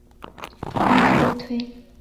以此类推。